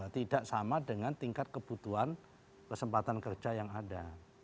tidak sama dengan tingkat kebutuhan kesempatan kerja yang ada